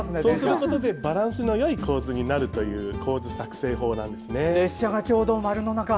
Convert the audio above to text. そうすることでバランスのよい構図になるという構図作成法です。